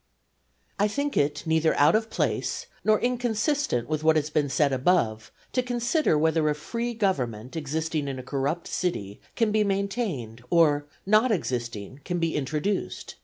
_ I think it neither out of place, nor inconsistent with what has been said above, to consider whether a free government existing in a corrupt city can be maintained, or, not existing, can be introduced.